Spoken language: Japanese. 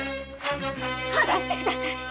離してください！